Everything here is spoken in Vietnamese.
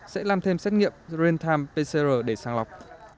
sẽ làm thêm xét nghiệm green time pcr để sàng lọc